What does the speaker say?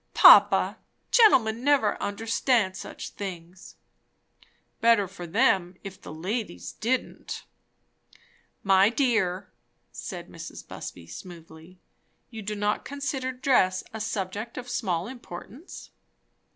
"Papa, gentlemen never understand such things." "Better for them if the ladies didn't." "My dear," said Mrs. Busby smoothly, "you do not consider dress a subject of small importance?"